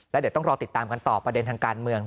แล้วเดี๋ยวต้องรอติดตามกันต่อประเด็นทางการเมือง